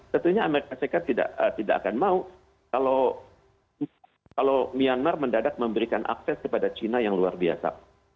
tentunya amerika serikat tidak akan mau kalau myanmar mendadak memberikan akses kepada china yang luar biasa